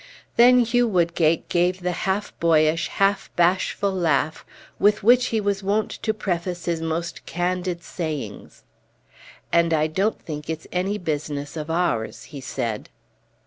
Then Hugh Woodgate gave the half boyish, half bashful laugh with which he was wont to preface his most candid sayings. "And I don't think it's any business of ours," he said.